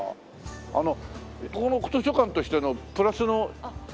あのここの図書館としてのプラスのイメージは？